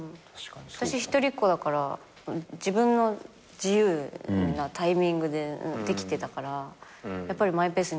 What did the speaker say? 私一人っ子だから自分の自由なタイミングでできてたからやっぱりマイペースになっちゃうし。